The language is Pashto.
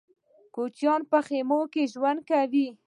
کوچيان په خيمو کې ژوند کوي.